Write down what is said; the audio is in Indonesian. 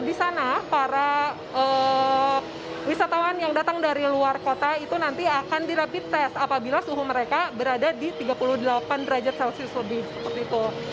di sana para wisatawan yang datang dari luar kota itu nanti akan di rapid test apabila suhu mereka berada di tiga puluh delapan derajat celcius lebih seperti itu